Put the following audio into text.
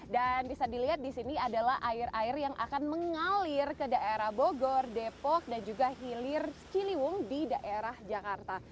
dan bisa dilihat di sini adalah air air yang akan mengalir ke daerah bogor depok dan juga hilir ciliwung di daerah jakarta